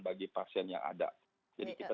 bagi pasien yang ada jadi kita